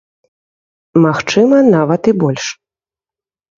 Магчыма, нават і больш.